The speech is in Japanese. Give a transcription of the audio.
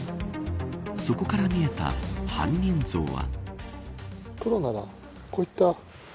そこから見えた犯人像は。